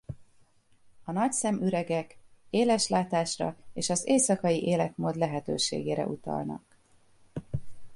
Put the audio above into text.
A nagy szemüregek éles látásra és az éjszakai életmód lehetőségére utalnak.